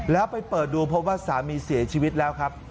แล้วไปเปิดดูพบว่าสามีเสียชีวิตแล้วครับ